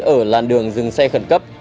ở làn đường dừng xe khẩn cấp